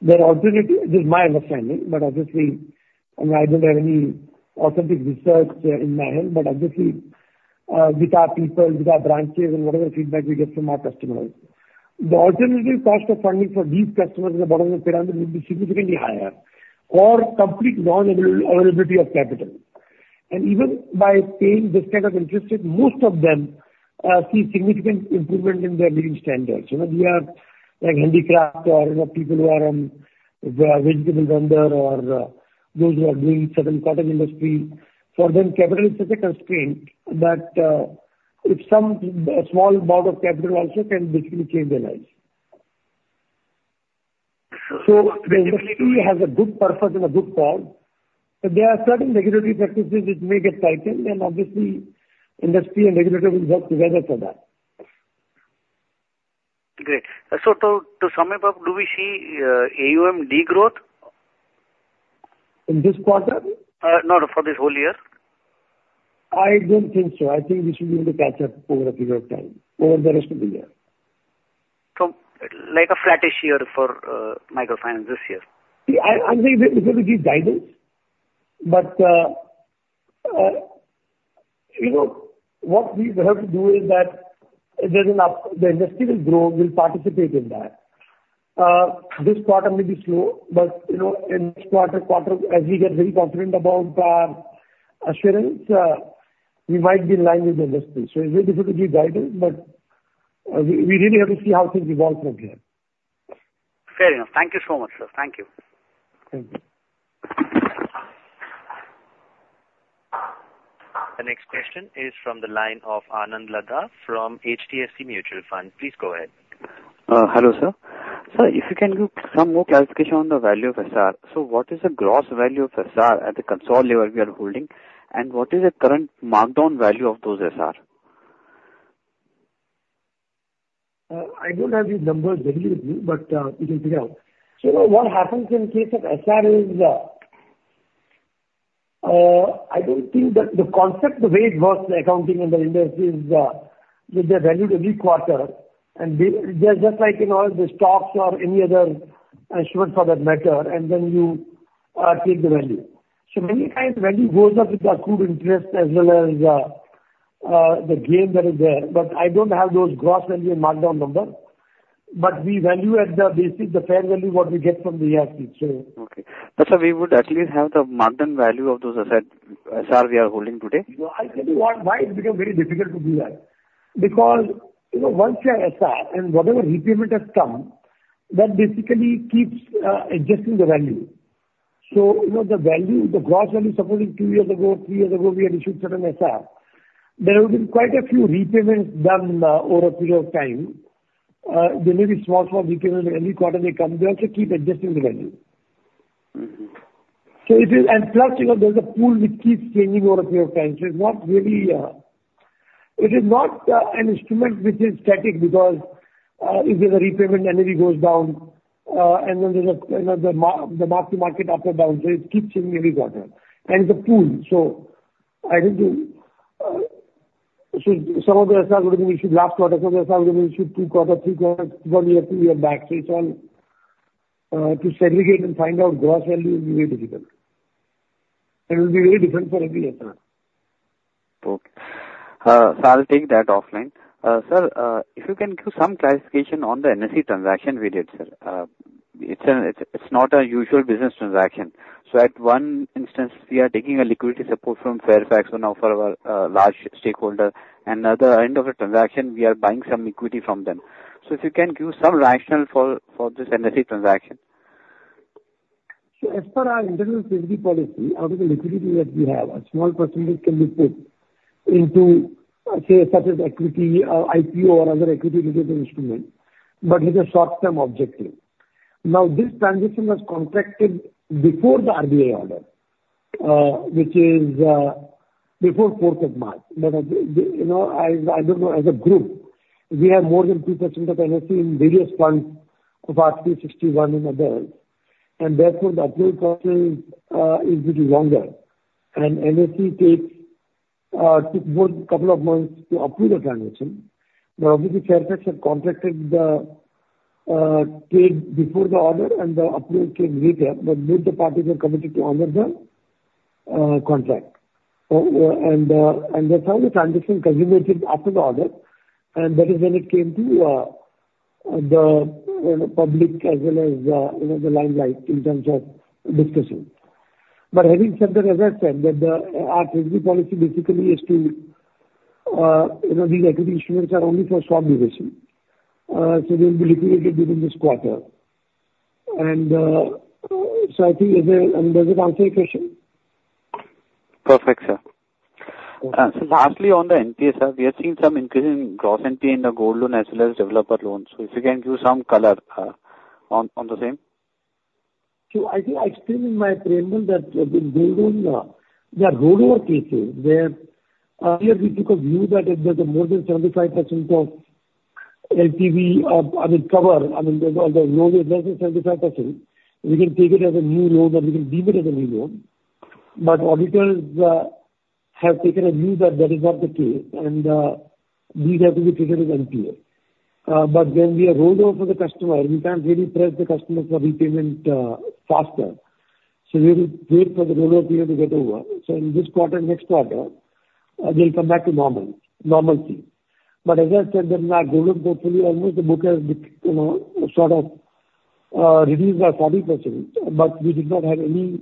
The alternative, this is my understanding, but obviously, I mean, I don't have any authentic research in my head. But obviously, with our people, with our branches, and whatever feedback we get from our customers, the alternative cost of funding for these customers at the bottom of the pyramid will be significantly higher or complete non-availability of capital. And even by paying this kind of interest rate, most of them see significant improvement in their living standards. They are like handicrafters, people who are vegetable vendors, or those who are doing certain cottage industry. For them, capital is such a constraint that if some small amount of capital also can basically change their lives. So the industry has a good purpose and a good cause. But there are certain regulatory practices which may get tightened, and obviously, industry and regulator will work together for that. Great. So to sum it up, do we see AUM degrowth? In this quarter? No, for this whole year. I don't think so. I think we should be able to catch up over a period of time, over the rest of the year. Like a flattish year for microfinance this year? I think it will be guidance. But what we have to do is that the industry will grow, will participate in that. This quarter may be slow, but in this quarter, as we get very confident about our assurance, we might be in line with the industry. So it will definitely be guidance, but we really have to see how things evolve from here. Fair enough. Thank you so much, sir. Thank you. Thank you. The next question is from the line of Anand Laddha from HDFC Mutual Fund. Please go ahead. Hello, sir. Sir, if you can give some more clarification on the value of SR. So what is the gross value of SR at the consolidated level we are holding, and what is the current markdown value of those SR? I don't have these numbers ready with me, but you can figure out. So what happens in case of SR is I don't think that the concept, the way it was accounting in the industry is that they value every quarter, and they're just like the stocks or any other instrument for that matter, and then you take the value. So many times, value goes up with the accrued interest as well as the gain that is there. But I don't have those gross value and markdown number. But we value at the basic, the fair value, what we get from the ARC. Okay. But sir, we would at least have the markdown value of those SR we are holding today? I think it might become very difficult to do that. Because once you have SR and whatever repayment has come, that basically keeps adjusting the value. So the value, the gross value, supposing two years ago, three years ago, we had issued certain SR, there would have been quite a few repayments done over a period of time. There may be small, small repayments every quarter they come. They also keep adjusting the value. And plus, there's a pool which keeps changing over a period of time. So it's not really it is not an instrument which is static because if there's a repayment, energy goes down, and then there's the mark-to-market up or down. So it keeps changing every quarter. And it's a pool. So I don't know. So some of the SR would have been issued last quarter. Some of the SR would have been issued two quarters, three quarters, one year, two years back. So it's all to segregate and find out gross value will be very difficult. It will be very different for every SR. Okay. So I'll take that offline. Sir, if you can give some clarification on the NSE transaction we did, sir. It's not a usual business transaction. So at one instance, we are taking a liquidity support from Fairfax or now for our large stakeholder. And at the end of the transaction, we are buying some equity from them. So if you can give some rationale for this NSE transaction. So as per our interim security policy, out of the liquidity that we have, a small percentage can be put into, say, such as equity, IPO, or other equity-related instruments, but with a short-term objective. Now, this transition was contracted before the RBI order, which is before 4th of March. But I don't know, as a group, we have more than 2% of NSE in various funds 360 ONE and others. And therefore, the approval process is a bit longer. And NSE took a couple of months to approve the transition. But obviously, Fairfax had contracted the trade before the order, and the approval came later. But both the parties were committed to honor the contract. And that's how the transition culminated after the order. And that is when it came to the public as well as the limelight in terms of discussion. But having said that, as I said, our treasury policy basically is that these equity instruments are only for short duration. So they will be liquidated within this quarter. And so I think, I mean, does it answer your question? Perfect, sir. Lastly, on the GNPA, sir, we have seen some increase in gross GNPA in the gold loan as well as developer loans. So if you can give some color on the same? So I think I explained in my preamble that the gold loan, there are rollover cases where earlier we took a view that there's more than 75% of LTV, I mean, cover. I mean, there's no less than 75%. We can take it as a new loan, or we can deem it as a new loan. But auditors have taken a view that that is not the case, and these have to be treated as NPA. But when we are rolled over for the customer, we can't really press the customer for repayment faster. So we have to wait for the rollover period to get over. So in this quarter and next quarter, they'll come back to normalcy. But as I said, in our gold loan portfolio, almost the book has sort of reduced by 40%. But we did not have any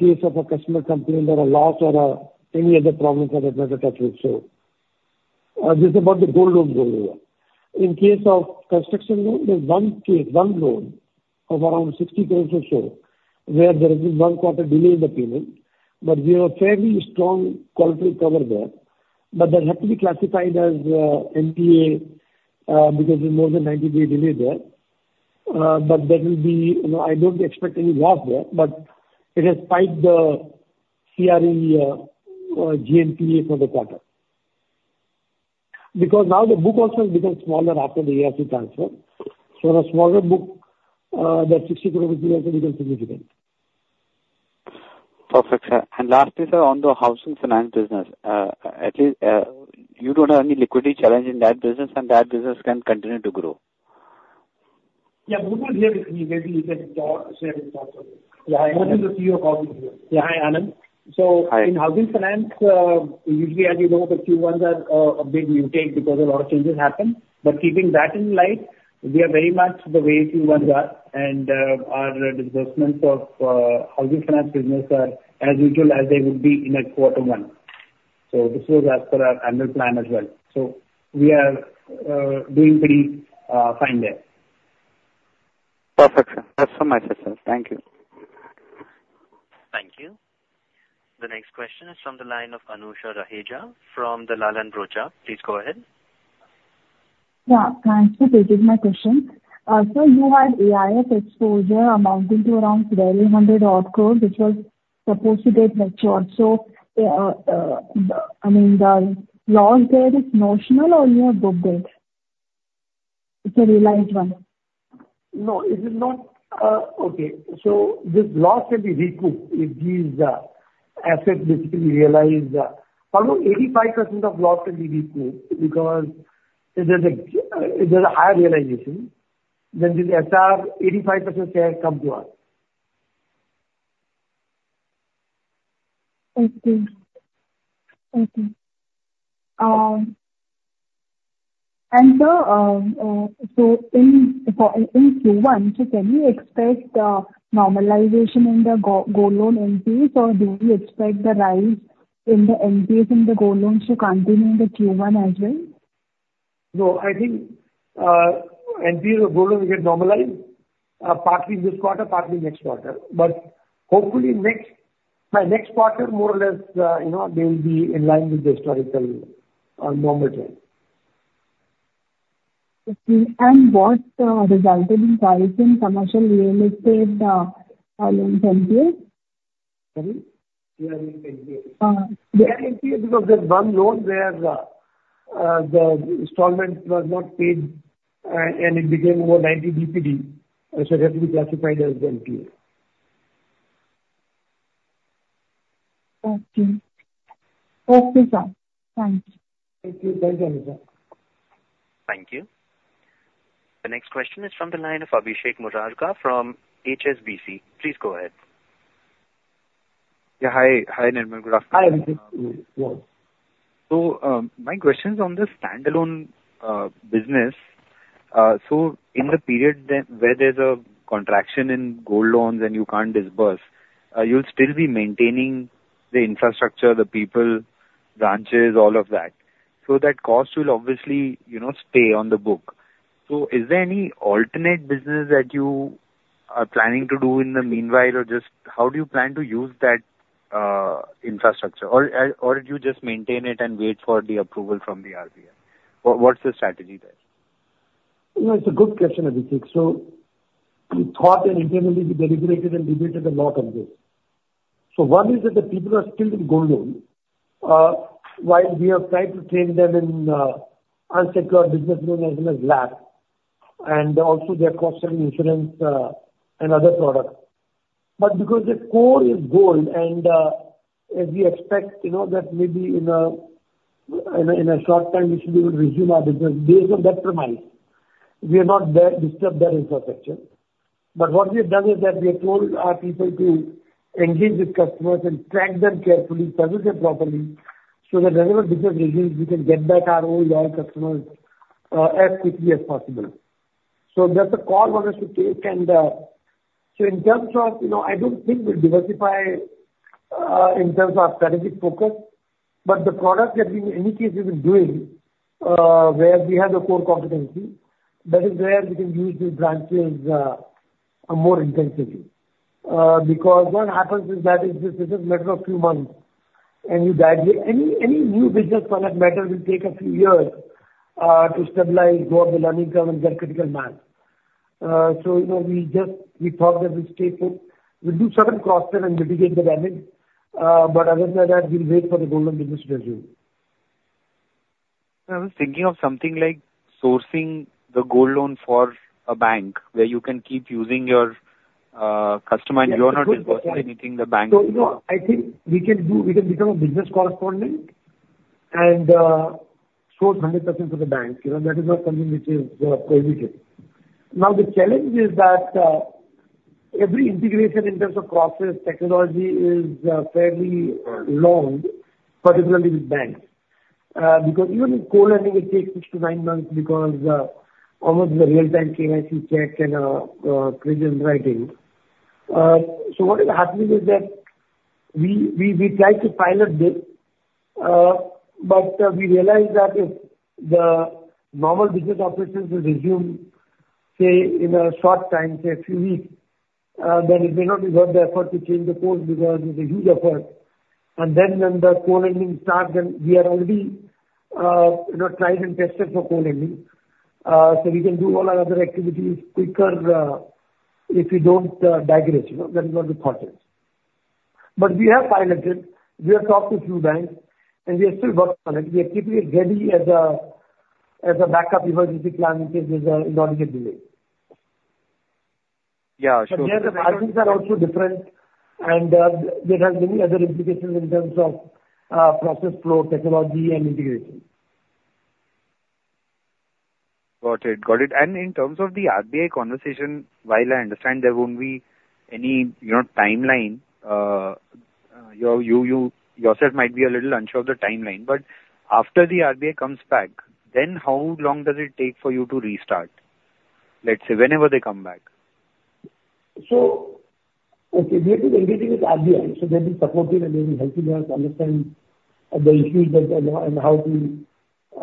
case of a customer complaint or a loss or any other problems that have never touched us. So this is about the gold loans rollover. In case of construction loan, there's one case, one loan of around 60 crore or so where there has been one quarter delay in the payment. But we have a fairly strong qualitative cover there. But that has to be classified as NPA because there's more than 90-day delay there. But that will be I don't expect any loss there. But it has tied the CRE, GNPA for the quarter. Because now the book also has become smaller after the ARC transfer. So on a smaller book, that 60 crore will also become significant. Perfect, sir. Lastly, sir, on the housing finance business, at least you don't have any liquidity challenge in that business, and that business can continue to grow. Yeah. Monu is here with me, maybe you can share your thoughts on it. Yeah, I am. What is the CEO calling you? Yeah, I am. So in housing finance, usually, as you know, the Q1s are a big muted because a lot of changes happen. But keeping that in mind, we are very much the way Q1s are. And our disbursements of housing finance business are as usual as they would be in a quarter one. So this was as per our annual plan as well. So we are doing pretty fine there. Perfect, sir. That's all my questions. Thank you. Thank you. The next question is from the line of Anusha Raheja from Dalal & Broacha. Please go ahead. Yeah. Thank you. This is my question. Sir, you had AIF exposure amounting to around 1,200 odd crores, which was supposed to get liquidated. So I mean, the loss there is notional or you have booked it? It's a realized one. No, it is not. Okay. So this loss can be recouped if these assets basically realize. Almost 85% of loss can be recouped because there's a higher realization. Then this SR, 85% share comes to us. Okay. In Q1, can we expect the normalization in the gold loan NPAs, or do we expect the rise in the NPAs in the gold loans to continue in Q1 as well? No, I think NPAs or gold loans will get normalized, partly this quarter, partly next quarter. But hopefully, my next quarter, more or less, they will be in line with the historical normal trend. Okay. And what's the resulting price in commercial real estate loans NPAs? Sorry? CRE NPAs. Yeah. CRE NPAs because there's one loan where the installment was not paid, and it became over 90 DPD. It has to be classified as NPA. Okay. Okay, sir. Thank you. Thank you. Thank you, Anusha. Thank you. The next question is from the line of Abhishek Murarka from HSBC. Please go ahead. Yeah. Hi, Nirmal. Good afternoon. Hi, Abhishek. Yes. My question is on the standalone business. In the period where there's a contraction in gold loans and you can't disburse, you'll still be maintaining the infrastructure, the people, branches, all of that. That cost will obviously stay on the books. Is there any alternative business that you are planning to do in the meanwhile, or just how do you plan to use that infrastructure? Or do you just maintain it and wait for the approval from the RBI? What's the strategy there? No, it's a good question, Abhishek. So we thought and internally we deliberated and debated a lot on this. So one is that the people are still in gold loans while we have tried to train them in unsecured business loans as well as LAPs. And also, they're cross-selling insurance and other products. But because the core is gold, and as we expect that maybe in a short time, we should be able to resume our business based on that premise, we have not disturbed that infrastructure. But what we have done is that we have told our people to engage with customers and track them carefully, service them properly so that whenever business resumes, we can get back our old loyal customers as quickly as possible. So that's the call one has to take. So in terms of, I don't think we'll diversify in terms of our strategic focus. But the product that we in any case have been doing where we have the core competency, that is where we can use these branches more intensively. Because what happens is that if it's just a matters a few months and you die here, any new business product matter will take a few years to stabilize, go up the learning curve, and get critical mass. So we thought that we'll stay put. We'll do certain cross-check and mitigate the damage. But other than that, we'll wait for the gold loan business to resume. I was thinking of something like sourcing the gold loan for a bank where you can keep using your customer and you are not disbursing anything the bank. So I think we can become a business correspondent and source 100% for the bank. That is not something which is prohibited. Now, the challenge is that every integration in terms of process technology is fairly long, particularly with banks. Because even with co-lending, it takes six-nine months because almost the real-time KYC check and provision writing. So what is happening is that we tried to pilot this, but we realized that if the normal business operations will resume, say, in a short time, say, a few weeks, then it may not be worth the effort to change the course because it's a huge effort. And then when the co-lending starts, then we are already tried and tested for co-lending. So we can do all our other activities quicker if we don't digress. That is what we thought is. But we have piloted it. We have talked to a few banks, and we are still working on it. We are keeping it ready as a backup emergency plan in case there's a delay. Yeah. Sure. But the other branches are also different, and that has many other implications in terms of process flow, technology, and integration. Got it. Got it. And in terms of the RBI conversation, while I understand there won't be any timeline, you yourself might be a little unsure of the timeline. But after the RBI comes back, then how long does it take for you to restart? Let's say whenever they come back. So okay, we have to negotiate with RBI. So they've been supportive, and they've been helping us understand the issues and how to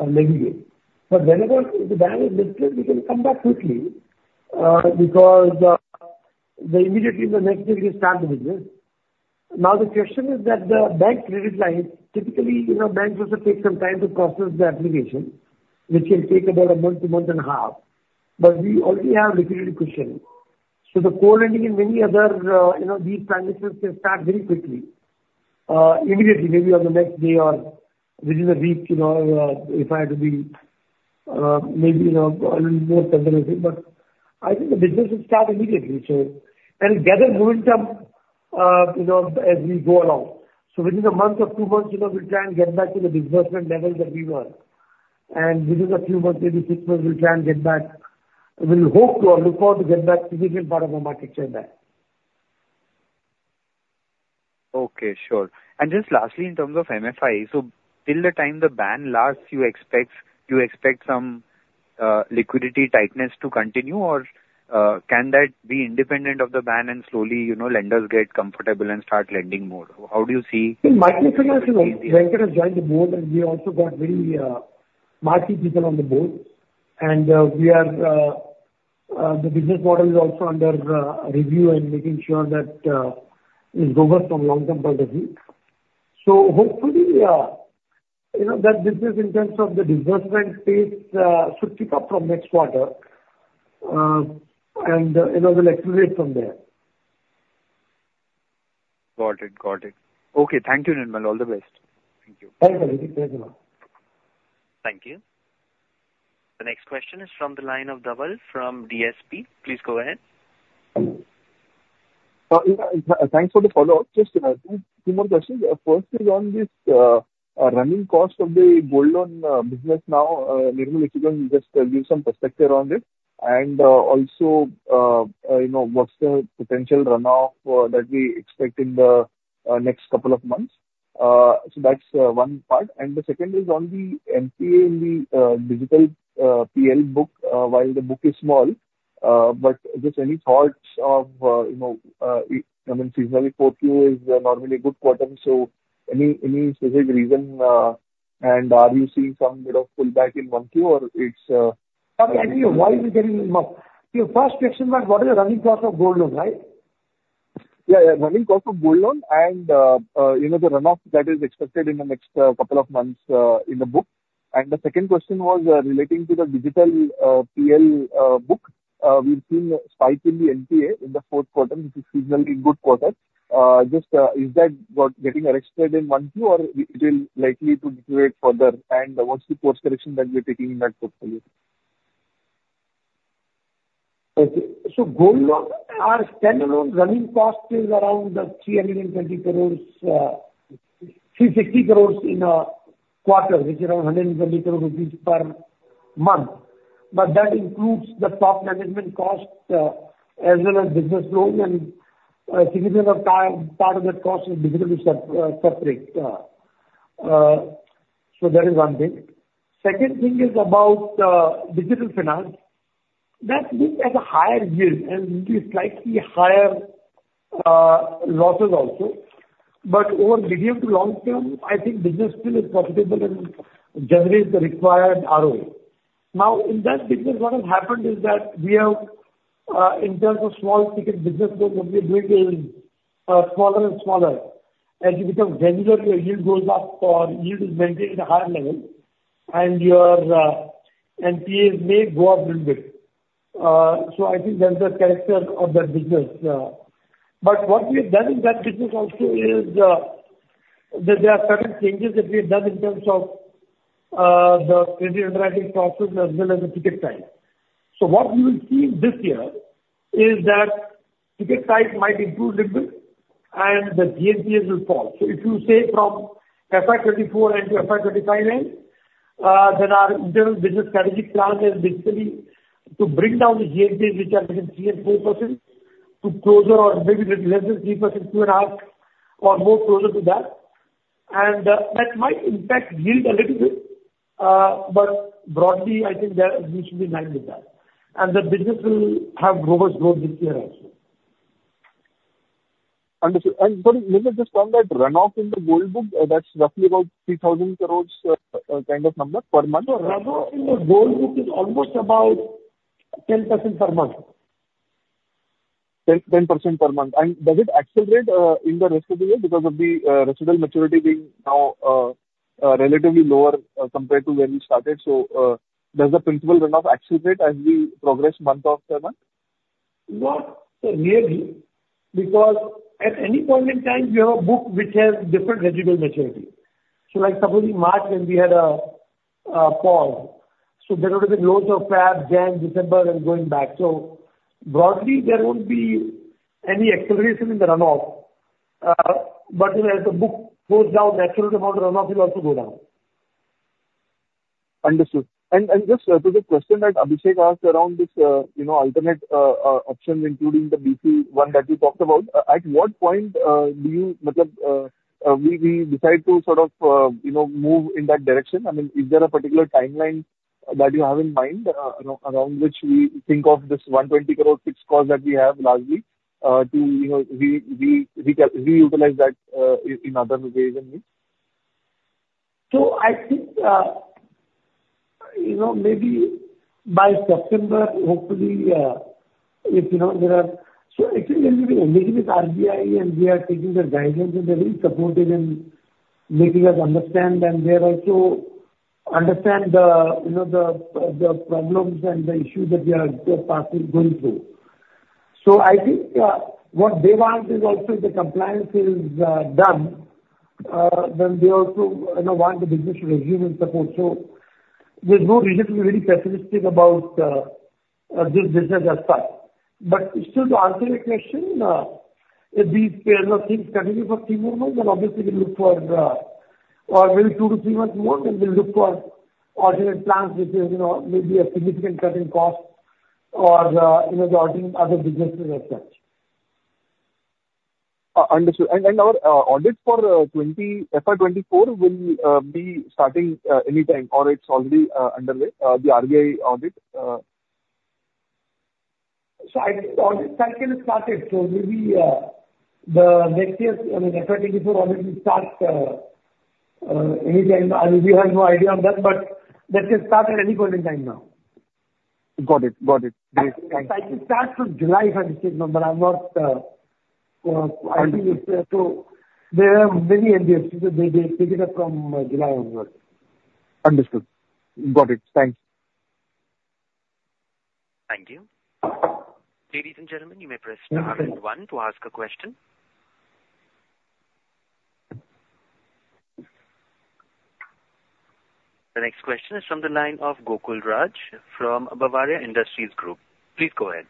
negotiate. But whenever the ban is lifted, we can come back quickly because immediately the next thing is to start the business. Now, the question is that the bank's credit line, typically, banks also take some time to process the application, which can take about a month to a month and a half. But we already have liquidity cushioning. So the co-lending and many other these transitions can start very quickly, immediately, maybe on the next day or within a week if I had to be maybe a little more conservative. But I think the business will start immediately. So we'll gather momentum as we go along. So within a month or two months, we'll try and get back to the disbursement level that we were. Within a few months, maybe six months, we'll try and get back. We'll hope or look forward to get back significant part of our market share back. Okay. Sure. Just lastly, in terms of MFI, so till the time the ban lasts, you expect some liquidity tightness to continue, or can that be independent of the ban and slowly lenders get comfortable and start lending more? How do you see? It might be financially. Bankers have joined the board, and we also got very market people on the board. And the business model is also under review and making sure that it's robust from a long-term point of view. So hopefully, that business in terms of the disbursement space should pick up from next quarter, and we'll accelerate from there. Got it. Got it. Okay. Thank you, Nirmal. All the best. Thank you. Thanks, Abhishek. Thanks a lot. Thank you. The next question is from the line of Dhaval from DSP. Please go ahead. Thanks for the follow-up. Just two more questions. First is on this running cost of the gold loan business now. Nirmal, if you can just give some perspective around it. And also, what's the potential runoff that we expect in the next couple of months? So that's one part. And the second is on the NPA and the digital PL book while the book is small. But just any thoughts of I mean, seasonal 4Q is normally a good quarter. So any specific reason? And are you seeing some bit of pullback in 1Q, or it's? Why are we getting in 1Q? First question was, what is the running cost of gold loan, right? Yeah. Running cost of gold loan and the runoff that is expected in the next couple of months in the book. And the second question was relating to the digital PL book. We've seen a spike in the NPA in the fourth quarter, which is seasonally good quarter. Just is that getting arrested in 1Q, or it will likely deteriorate further? And what's the course correction that we're taking in that portfolio? Okay. So gold loan, our standalone running cost is around 320 crores, 360 crores in a quarter, which is around 120 crores rupees per month. But that includes the top management cost as well as business loan. And a significant part of that cost is difficult to separate. So that is one thing. Second thing is about digital finance. That looks at a higher yield and slightly higher losses also. But over medium to long term, I think business still is profitable and generates the required ROI. Now, in that business, what has happened is that we have, in terms of small ticket business loans, what we are doing is smaller and smaller. As you become granular, your yield goes up or yield is maintained at a higher level, and your NPAs may go up a little bit. So I think that's the character of that business. But what we have done in that business also is that there are certain changes that we have done in terms of the credit underwriting process as well as the ticket size. So what we will see this year is that ticket size might improve a little bit, and the GNPAs will fall. So if you say from FY 2024 end to FY 2025 end, then our internal business strategy plan is basically to bring down the GNPAs, which are between 3%-4%, to closer or maybe less than 3%, 2.5%, or more closer to that. That might impact yield a little bit. But broadly, I think we should be in line with that. The business will have robust growth this year also. Understood. Sorry, Nirmal, just on that runoff in the gold book, that's roughly about 3,000 crore kind of number per month? No, runoff in the gold book is almost about 10% per month. 10% per month. Does it accelerate in the rest of the year because of the residual maturity being now relatively lower compared to when we started? Does the principal runoff accelerate as we progress month after month? Not nearly. Because at any point in time, we have a book which has different residual maturity. So supposing March when we had a pause, so there would have been loans of Feb, Jan, December, and going back. So broadly, there won't be any acceleration in the runoff. But as the book goes down, natural amount of runoff will also go down. Understood. Just to the question that Abhishek asked around this alternate option, including the BC one that you talked about, at what point do you make up? We decide to sort of move in that direction. I mean, is there a particular timeline that you have in mind around which we think of this 120 crore fixed cost that we have largely to reutilize that in other ways and means? So I think maybe by September, hopefully, if there are so actually, when we initiated RBI and we are taking their guidelines, and they're really supportive in making us understand, and they also understand the problems and the issues that we are going through. So I think what they want is also the compliance is done, then they also want the business to resume and support. So there's no reason to be really pessimistic about this business as such. But still, to answer your question, if these pace of things continue for three more months, then obviously we'll look for or maybe two to three months more, then we'll look for alternate plans which may be a significant cutting cost or the other businesses as such. Understood. Our audit for FY 2024 will be starting any time, or it's already underway, the RBI audit? I think the audit cycle is started. So maybe the next year, I mean, FY 2024 audit will start any time. We have no idea on that, but that can start at any point in time now. Got it. Got it. Thanks. The cycle starts from July, I think, but I'm not. It's so there are many NBFCs. They take it up from July onwards. Understood. Got it. Thanks. Thank you. Ladies and gentlemen, you may press star and one to ask a question. The next question is from the line of Gokul Raj from Bavaria Industries Group. Please go ahead.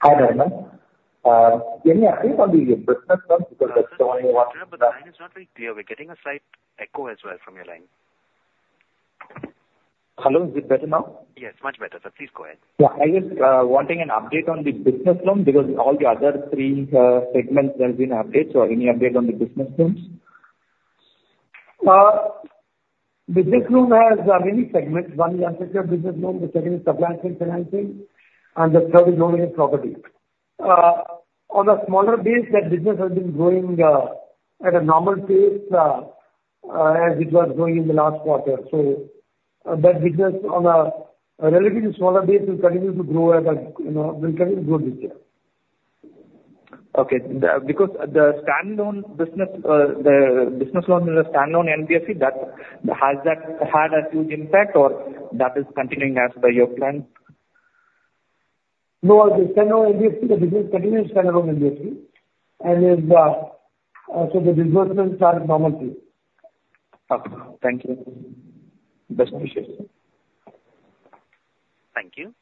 Hi Nirmal. Any update on the business loan? Because that's the only one. Nirmal, the line is not very clear. We're getting a slight echo as well from your line. Hello, is it better now? Yes, much better. Please go ahead. Yeah. I was wanting an update on the business loan because all the other three segments have been updated. So any update on the business loans? Business loans have many segments. One is unsecured business loan. The second is supply chain financing. And the third is loan against property. On a smaller base, that business has been growing at a normal pace as it was growing in the last quarter. So that business, on a relatively smaller base, will continue to grow this year. Okay. Because the standalone business, the business loan and the standalone NBFC, has that had a huge impact, or that is continuing as per your plan? No, the standalone NBFC, the business continues standalone NBFC. And so the disbursements are normal pace. Okay. Thank you. Best wishes. Thank you.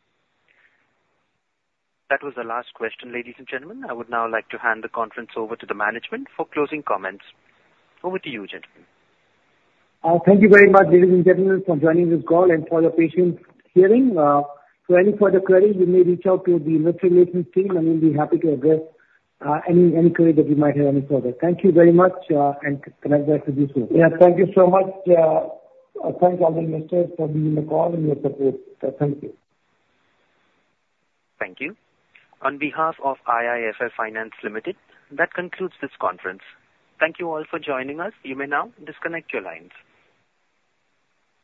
That was the last question, ladies and gentlemen. I would now like to hand the conference over to the management for closing comments. Over to you, gentlemen. Thank you very much, ladies and gentlemen, for joining this call and for your patience hearing. For any further queries, you may reach out to the investor relations team, and we'll be happy to address any queries that you might have any further. Thank you very much, and congratulations you too. Yeah. Thank you so much. Thanks, all the management, for being on the call and your support. Thank you. Thank you. On behalf of IIFL Finance Limited, that concludes this conference. Thank you all for joining us. You may now disconnect your lines.